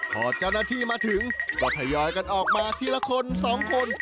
พอเจ้าหน้าที่มาถึงก็ทยอยกันออกมาทีละคนสองคน